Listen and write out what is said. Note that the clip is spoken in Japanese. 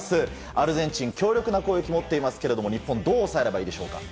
アルゼンチン、強力な攻撃を持っていますけれども日本どう抑えればいいでしょうか？